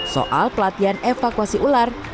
soal pelatihan evakuasi ular